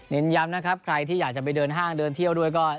ย้ำนะครับใครที่อยากจะไปเดินห้างเดินเที่ยวด้วยก็